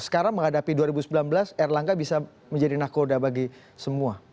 sekarang menghadapi dua ribu sembilan belas erlangga bisa menjadi nakoda bagi semua